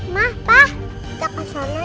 ma pa kita ke sana yuk